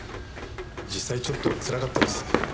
実際ちょっとつらかったです。